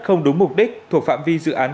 không đúng mục đích thuộc phạm vi dự án